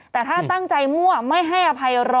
แต่ถ้าตั้งใจมั่วไม่ให้อภัย๑๐๐